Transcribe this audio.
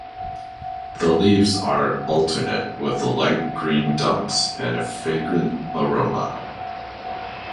The leaves are alternate, with light green dots and a fragrant aroma.